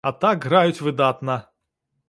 А так граюць выдатна!